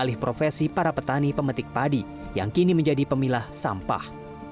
alih profesi para petani pemetik padi yang kini menjadi pemilah sampah